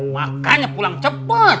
makanya pulang cepet